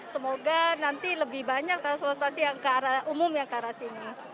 semoga nanti lebih banyak transportasi yang ke arah umum yang ke arah sini